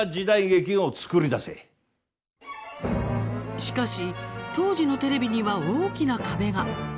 しかし、当時のテレビには大きな壁が。